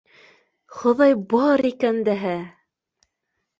Хоҙай бар икән дәһә!